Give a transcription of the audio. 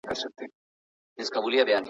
زه په نیمه شپه کي له باران سره راغلی وم ..